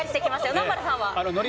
南原さんは？